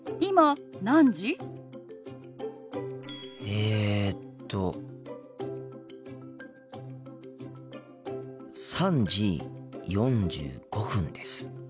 えっと３時４５分です。